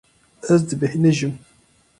Ez dibêhnijim.